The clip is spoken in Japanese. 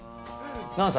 「何歳？」